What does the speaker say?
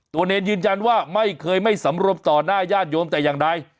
เนรยืนยันว่าไม่เคยไม่สำรบต่อหน้าญาติโยมแต่อย่างใด